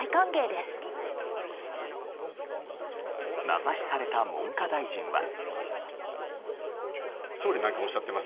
名指しされた文科大臣は。